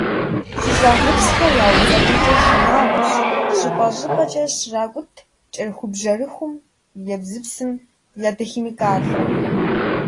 ЩӀыщӀагъыпсхэр яуцӀэпӀынкӀэ шынагъуэщ щӀыпӀэ -щӀыпӀэкӀэ щракӀут кӀэрыхубжьэрыхум, ебзыпсым, ядохимикатхэм.